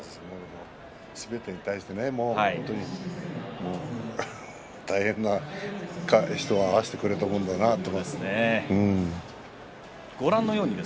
すべてに対して大変な人を合わせてくれたものだなと思いますよ。